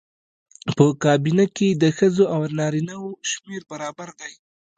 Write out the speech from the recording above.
په کابینه کې د ښځو او نارینه وو شمېر برابر دی.